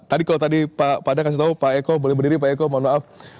tadi kalau tadi pak pada kasih tahu pak eko boleh berdiri pak eko mohon maaf